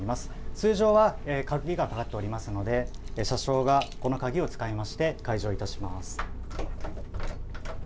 通常は鍵がかかっておりますので、車掌がこの鍵を使いまして、解錠いたします。